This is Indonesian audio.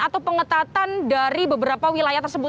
atau pengetatan dari beberapa wilayah tersebut